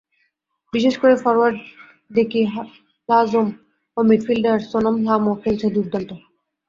বিশেষ করে ফরোয়ার্ড দেকি হ্লাজোম ও মিডফিল্ডার সোনম হ্লামো খেলছে দুর্দান্ত।